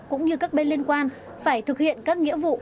cũng như các bên liên quan phải thực hiện các nghĩa vụ